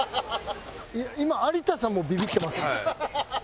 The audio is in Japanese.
今有田さんもビビってませんでした？